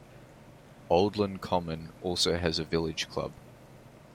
Oldland Common also has a Village Club.